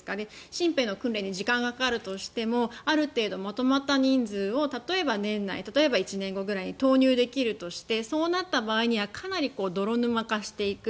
新兵の訓練に時間がかかるとしてもある程度、まとまった人数を例えば年内例えば１年後ぐらいに投入できるとしてそうなった場合にはかなり泥沼化していく。